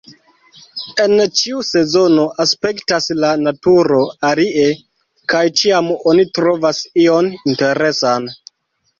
En ĉiu sezono aspektas la naturo alie... kaj ĉiam oni trovas ion interesan.